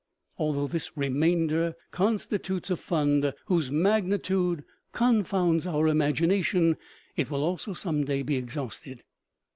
Although this remainder constitutes a fund whose magnitude confounds our imagination, it will also some day be exhausted.